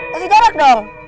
kasih jarak dong